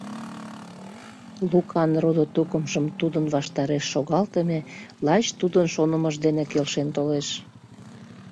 Лукан родо-тукымжым тудын ваштареш шогалтыме лач тудын шонымыж дене келшен толеш.